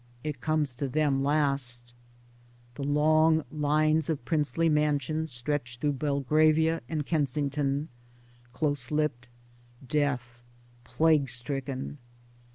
It comes to them last The long lines of princely mansions stretch through Belgravia and Kensington — closelipped, deaf, plaguestricken.